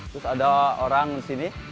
terus ada orang disini